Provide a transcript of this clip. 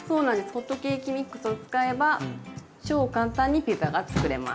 ホットケーキミックスを使えば超簡単にピザが作れます。